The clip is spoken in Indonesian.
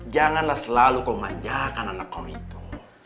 janganlah selalu kau manjakan anak kau itu